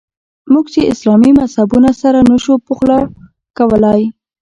موږ چې اسلامي مذهبونه سره نه شو پخلا کولای.